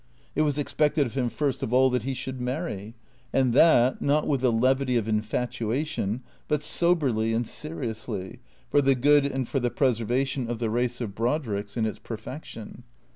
It was expected of him, first of all, that he should marry ; and that, not with the levity of infatuation, but soberly and seriously, for the good and for the preservation of the race of Brodricks in its perfection.